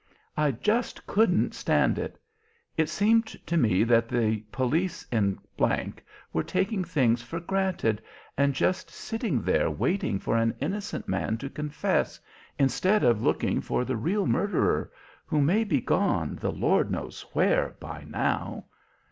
I just couldn't stand it. It seemed to me that the police in G were taking things for granted, and just sitting there waiting for an innocent man to confess, instead of looking for the real murderer, who may be gone, the Lord knows where, by now!"